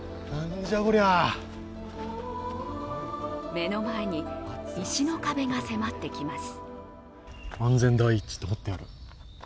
目の前に石の壁が迫ってきます。